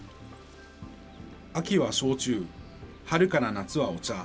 秋は焼酎、春から夏はお茶。